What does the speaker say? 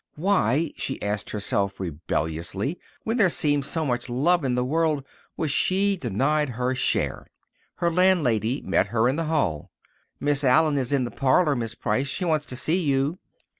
Why, she asked herself rebelliously, when there seemed so much love in the world, was she denied her share? Her landlady met her in the hall. "Miss Allen is in the parlour, Miss Price. She wants to see you."